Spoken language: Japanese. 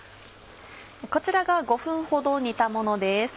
こちらが５分ほど煮たものです。